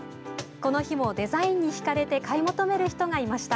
この日もデザインに引かれて買い求める人がいました。